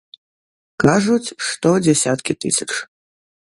Кажуць, што дзесяткі тысяч.